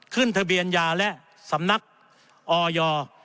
ขึ้นทะเบียนยาและสำนักออย